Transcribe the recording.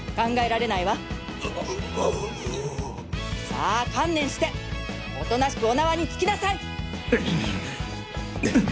さあ観念しておとなしくお縄につきなさい！